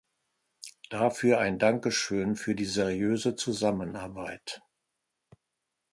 Dafür ein Dankeschön für die seriöse Zusammenarbeit.